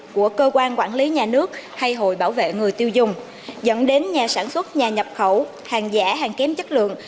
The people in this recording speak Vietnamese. của cơ quan quản lý nhà nước hay hội bảo vệ người tiêu dùng dẫn đến nhà sản xuất nhà nhập khẩu hàng giả hàng kém chất lượng